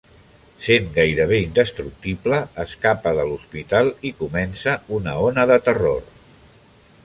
Sent gairebé indestructible, escapa de l'hospital i comença una ona de terror.